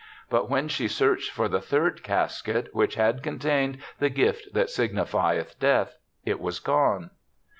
But when she searched for the third casket, which had con tained the gift that signifieth Death, it was gone.